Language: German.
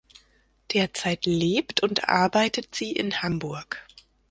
Derzeit lebt und arbeitet sie in Hamburg.